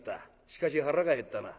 しかし腹が減ったな。